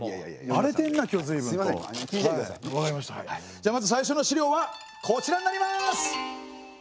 じゃあまず最初の資料はこちらになります！